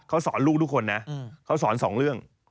เขาสอนลูกทุกคนนะเขาสอนสองเรื่อง